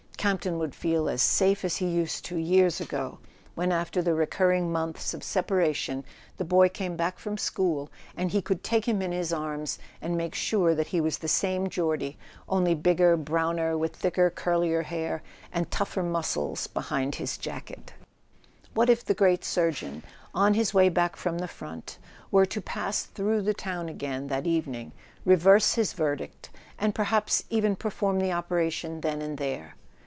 Campton would feel as safe as he used to years ago, when after the recurring months of separation the boy came back from school, and he could take him in his arms and make sure that he was the same Geordie, only bigger, browner, with thicker curlier hair, and tougher muscles under his jacket. What if the great surgeon, on his way back from the front, were to pass through the town again that evening, reverse his verdict, and perhaps even perform the operation then and there?